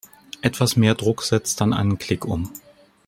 Etwas mehr Druck setzt dann einen Klick um.